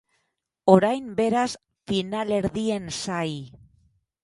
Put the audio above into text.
Orain beraz finalerdien zai.